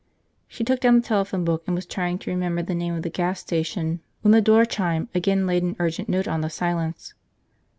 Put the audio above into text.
She took down the telephone book and was trying to remember the name of the gas station when the door chime again laid an urgent note on the silence.